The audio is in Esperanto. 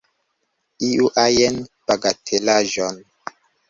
Iu ajn bagatelaĵon.